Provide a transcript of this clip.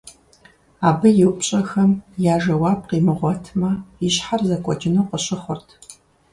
Абы и упщӀэхэм я жэуап къимыгъуэтмэ, и щхьэр зэкӀуэкӀыну къыщыхъурт.